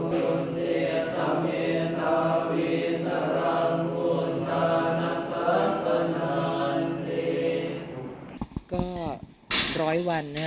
ครับขอมากขอบคุณค่ะค่ะ